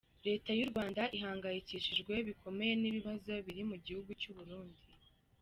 Leta y’u Rwanda ihangayikishijwe bikomeye n’ibibazo biri mu gihugu cy’u Burundi.